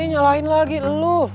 nyalahin lagi elu